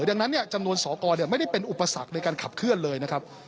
ดังนั้นจำนวนสอกรไม่ได้เป็นอุปสรรคในการขับเคลื่อนเลยนะครับ